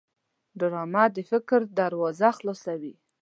ډرامه د فکر دروازه خلاصوي